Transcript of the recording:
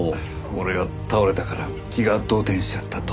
俺が倒れたから気が動転しちゃったと。